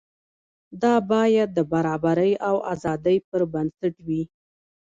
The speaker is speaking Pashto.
دا باید د برابرۍ او ازادۍ پر بنسټ وي.